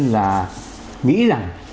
là nghĩ rằng